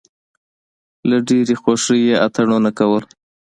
له ډېرې خوښۍ یې اتڼونه کول.